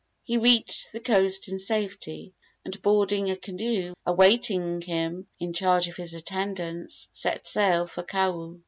He reached the coast in safety, and, boarding a canoe awaiting him in charge of his attendants, set sail for Kau.